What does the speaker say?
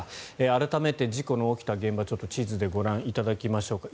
改めて事故の起きた現場を地図でご覧いただきましょうか。